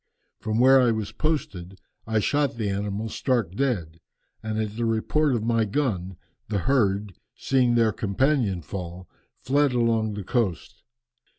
From where I was posted I shot the animal stark dead, and at the report of my gun the herd, seeing their companion fall, fled along the coast.